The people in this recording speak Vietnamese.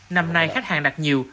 năm nay khách hàng đặt nhiều